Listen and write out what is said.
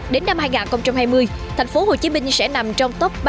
đến năm hai nghìn hai mươi thành phố hồ chí minh sẽ nằm trong top ba